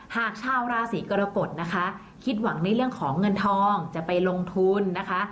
หากชาวราศีกรกฎนะคะคิดหวังในเรื่องของเงินทองจะไปลงทุนนะคะ